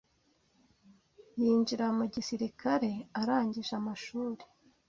yinjira mu gisirikare arangije amashuri